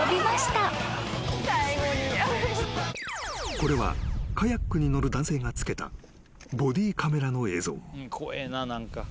［これはカヤックに乗る男性がつけたボディーカメラの映像］